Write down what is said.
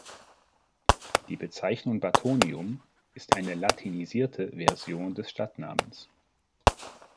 Die Bezeichnung Bathonium ist eine latinisierte Version des Stadtnamens.